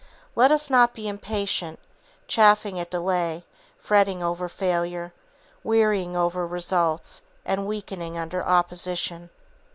Let us not be impatient, chafing at delay, fretting over failure, wearying over results, and weakening under opposition.